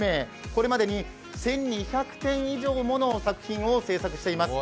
これまでに１２００点以上もの作品を制作しています。